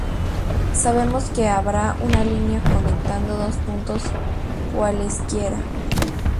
Sabemos que habrá una línea conectando dos puntos cualesquiera.